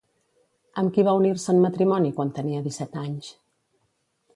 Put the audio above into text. Amb qui va unir-se en matrimoni quan tenia disset anys?